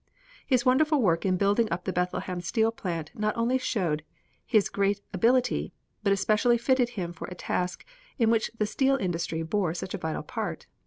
His wonderful work in building up the Bethlehem steel plant not only showed his great ability, but especially fitted him for a task in which the steel industry bore such a vital part.